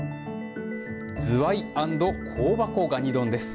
ズワイ＆香箱蟹丼です。